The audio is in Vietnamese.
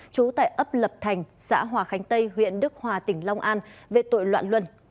trú tại ấp lập thành xã hòa khánh tây huyện đức hòa tỉnh long an về tội loạn luân